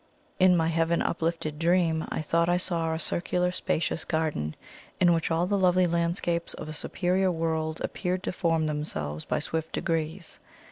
In my heaven uplifted dream, I thought I saw a circular spacious garden in which all the lovely landscapes of a superior world appeared to form themselves by swift degrees.